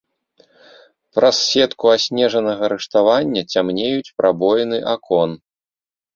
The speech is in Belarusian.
Праз сетку аснежанага рыштавання цямнеюць прабоіны акон.